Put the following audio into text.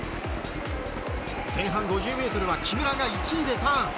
前半５０ｍは木村が１位でターン。